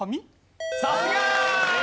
さすが！